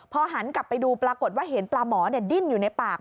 พอหันกลับไปดูปรากฏว่าเห็นปลาหมอดิ้นอยู่ในปาก